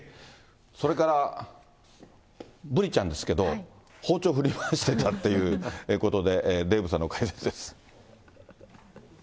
それからブリちゃんですけど、包丁振り回してたっていうことで、デーブさんの解説です。